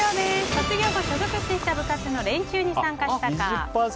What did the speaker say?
卒業後所属していた部活の練習に参加したか。